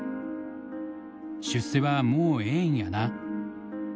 「出世はもうええんやな」。